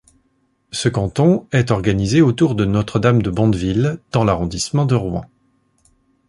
Ce canton est organisé autour de Notre-Dame-de-Bondeville dans l'arrondissement de Rouen.